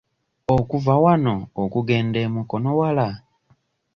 Okuva wano okugenda e Mukono wala?